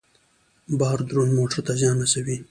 بار دروند موټر ته زیان رسوي.